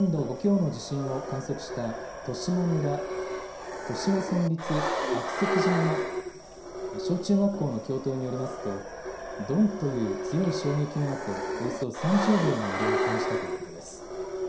震度５強の地震を観測した十島村十島村立悪石島の小中学校の教頭によりますと、ドンという強い衝撃のあとおよそ３０秒の揺れを感じたということです。